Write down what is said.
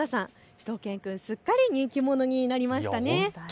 しゅと犬くん、すっかり人気者になりましたね。